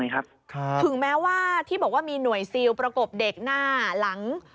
ถึงแม้ว่าที่บอกว่ามีหน่วยซิลประกบเด็กหน้าหลัง